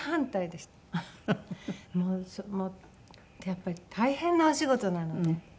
やっぱり大変なお仕事なので。